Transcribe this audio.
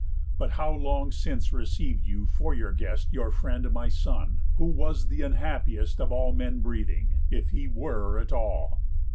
But how long since receiv'd you for your guest Your friend, my son, who was th' unhappiest Of all men breathing, if he were at all?